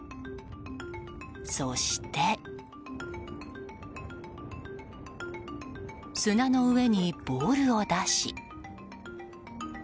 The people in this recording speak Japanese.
そして、砂の上にボールを出し。